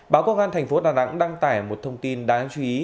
báo công an thành phố đà nẵng đăng tải một thông tin đáng chú ý